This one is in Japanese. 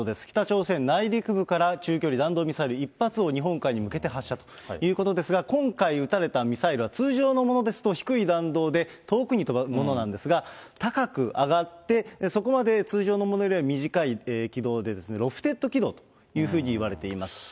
北朝鮮内陸部から中距離弾道ミサイル１発を、日本海に向けて発射ということですが、今回打たれたミサイルは通常のものですと、低い弾道で遠くに飛ぶものなんですが、高く上がって、そこまで通常のものよりは短い軌道で、ロフテッド軌道というふうにいわれています。